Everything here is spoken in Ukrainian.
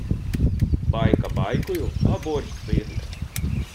Байка байкою, а борщ стигне.